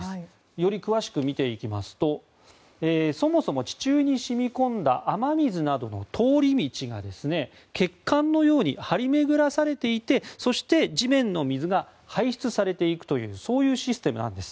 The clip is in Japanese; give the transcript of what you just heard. より詳しく見ていきますとそもそも地中に染み込んだ雨水などの通り道が血管のように張り巡らされていてそして、地面の水が排出されていくというそういうシステムなんです。